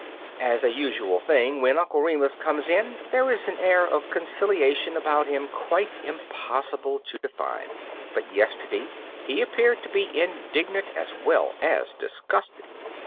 As a usual thing, when Uncle Remus comes in there is an air of conciliation about him quite impossible to define, but yesterday he appeared to be indignant as well as disgusted.